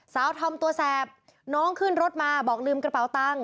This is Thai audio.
ทอมตัวแสบน้องขึ้นรถมาบอกลืมกระเป๋าตังค์